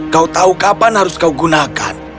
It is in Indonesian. kau tahu kapan harus kau gunakan